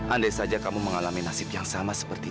andai kamu mengalami nasib yang sama seperti dia